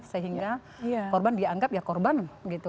sehingga korban dianggap ya korban gitu